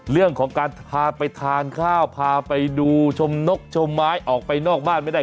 เรื่องของการพาไปทานข้าวพาไปดูชมนกชมไม้ออกไปนอกบ้านไม่ได้